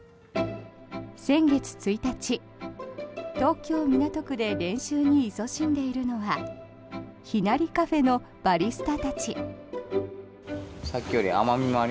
先月１日、東京・港区で練習にいそしんでいるのはＨＩＮＡＲＩＣＡＦＥのバリスタたち。